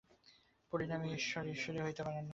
পরিণামী ঈশ্বর ঈশ্বরই হইতে পারেন না।